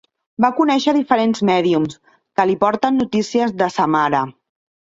Va conèixer diferents mèdiums, que li porten notícies de sa mare.